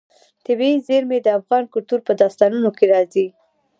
طبیعي زیرمې د افغان کلتور په داستانونو کې راځي.